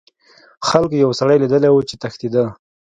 خلکو یو سړی لیدلی و چې تښتیده.